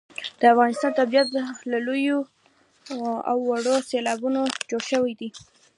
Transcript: د افغانستان طبیعت له لویو او وړو سیلابونو جوړ شوی دی.